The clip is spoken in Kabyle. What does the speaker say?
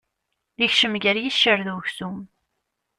Ikcem gar iccer d uksum.